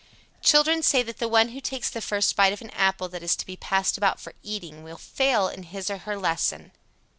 Children say that the one who takes the first bite of an apple that is to be passed about for eating will fail in his or her lesson.